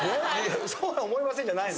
「そうは思いません」じゃないの。